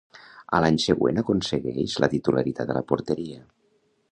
A l'any següent aconsegueix la titularitat a la porteria.